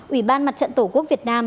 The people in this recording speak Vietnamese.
ủy ban mặt trận tổ quốc việt nam